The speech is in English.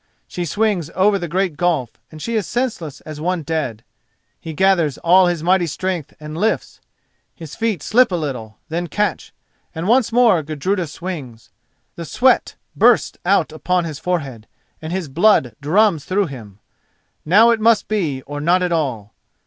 She swings over the great gulf and she is senseless as one dead. He gathers all his mighty strength and lifts. His feet slip a little, then catch, and once more Gudruda swings. The sweat bursts out upon his forehead and his blood drums through him. Now it must be, or not at all.